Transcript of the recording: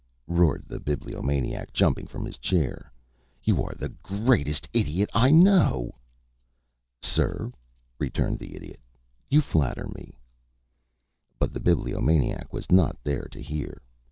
roared the Bibliomaniac, jumping from his chair. "You are the greatest idiot I know." "Sir!" returned the Idiot, "you flatter me." But the Bibliomaniac was not there to hear.